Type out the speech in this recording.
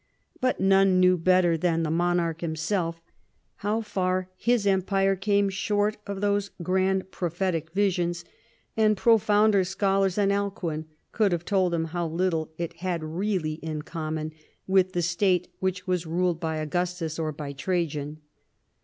But none knew better than the monarch himself how far his empire came short of these grand prophetic visions ; and profounder schol ars than Alcuin could have told him how little it had really in common with the state which wiis ruled by Augustus or by Trajan.